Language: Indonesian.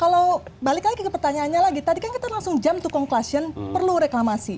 kalau balik lagi ke pertanyaannya lagi tadi kan kita langsung jump to conclusion perlu reklamasi